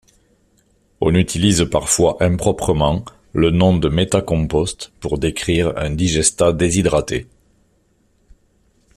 On utilise parfois improprement le nom de méthacompost pour décrire un digestat déshydraté.